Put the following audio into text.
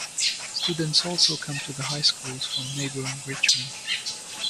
Students also come to the high schools from neighboring Richmond.